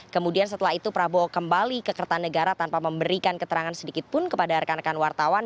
kemudian setelah itu prabowo kembali ke kertanegara tanpa memberikan keterangan sedikit pun kepada rekan rekan wartawan